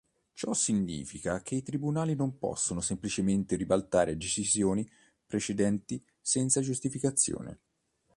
Ciò significa che i tribunali non possono semplicemente ribaltare decisioni precedenti senza giustificazione.